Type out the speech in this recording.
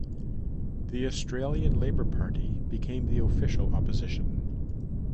The Australian Labor Party became the official opposition.